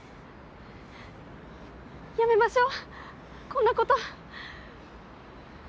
やめましょうこんなこと。